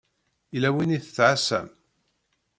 Yella win i tettɛasam?